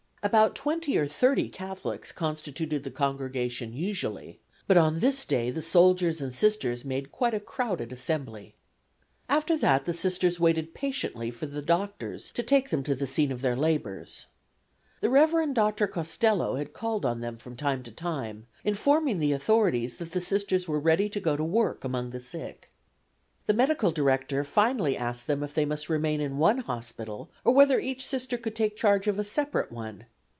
About twenty or thirty Catholics constituted the congregation usually, but on this day the soldiers and Sisters made quite a crowded assembly. After that the Sisters waited patiently for the doctors to take them to the scene of their labors. The Reverend Dr. Costello had called on them from time to time, informing the authorities that the Sisters were ready to go to work among the sick. The medical director finally asked them if they must remain in one hospital, or whether each Sister could take charge of a separate one.